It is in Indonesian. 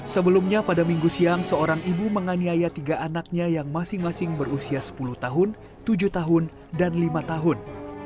sebelumnya pada minggu siang seorang ibu menganiaya tiga anaknya yang masing masing berusia sepuluh tahun tujuh tahun dan lima tahun